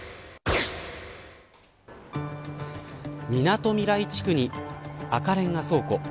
みなとみらい地区に赤レンガ倉庫。